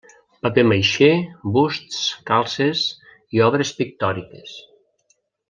Paper maixé, busts, calzes i obres pictòriques.